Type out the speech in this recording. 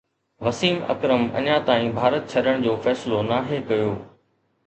وسيم اڪرم اڃا تائين ڀارت ڇڏڻ جو فيصلو ناهي ڪيو